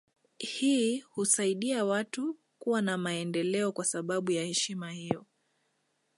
Hii husaidia watu kuwa na maendeleo kwa sababu ya heshima hiyo